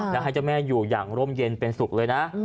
แล้วให้เจ้าแม่อยู่อย่างร่มเย็นเป็นสุขเลยนะ